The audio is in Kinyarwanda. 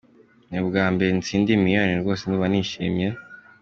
Ni ubwa mbere ntsindiye miliyoni rwose, ndumva nishimye.